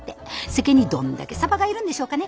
世間にどんだけサバがいるんでしょうかね？